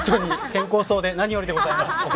健康そうで何よりでございます。